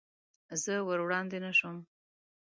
زه ور وړاندې نه شوم.